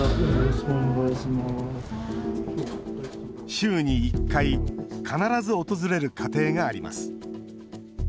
週に１回必ず訪れる家庭があります。